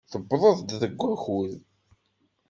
Tewwḍeḍ-d deg wakud.